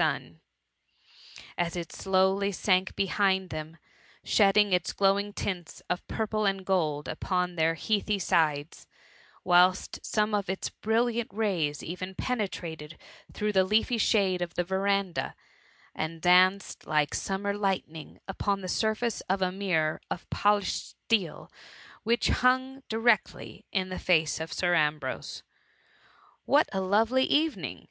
JIT sun, as it slowly ^nk behind tbemi shedding its glowing tints of purple and gold upon their heathy sides ; whilst some of its brilliant rays ev&a penetrated through the leafy shade of the verandah, and danoed like summer light ning upon the surface of a mirror of poUsbed steel which hung directly in the face o( Sir Ambrose* " What a lovely evening!''